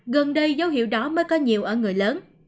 gần đây dấu hiệu đó mới có nhiều ở người lớn